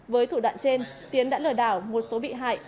với thủ đoạn trên tiến đã lừa đảo một số bị hại